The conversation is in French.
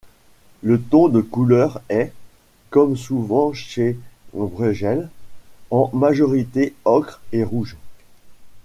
Le ton de couleur est, comme souvent chez Bruegel, en majorité ocre et rouge.